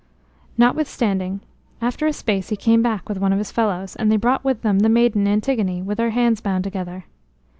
Notwithstanding, after a space he came back with one of his fellows; and they brought with them the maiden Antigone, with her hands bound together.